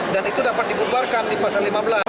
dan itu dapat dibubarkan di pasal lima belas